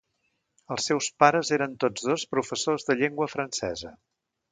Els seus pares eren tots dos professors de llengua francesa.